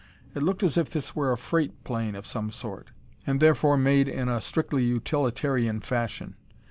It looked as if this were a freight plane of some sort, and therefore made in a strictly utilitarian fashion.